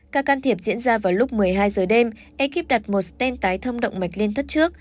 ca can thiệp diễn ra vào lúc một mươi hai giờ đêm ekip đặt một stent tái thông động mạch lên thất trước